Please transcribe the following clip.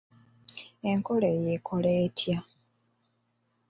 Enkola eyo ekola etya?